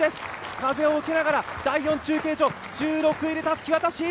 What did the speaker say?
風を受けながら第４中継所、１６位でたすき渡し。